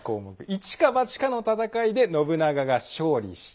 「一か八かの戦いで信長が勝利した」。